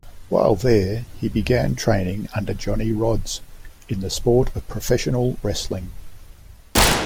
While there, he began training under Johnny Rodz in the sport of professional wrestling.